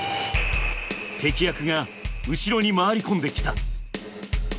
敵役が後ろに回り込んできた。